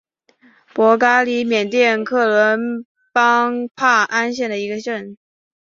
博嘎里缅甸克伦邦帕安县的一个镇。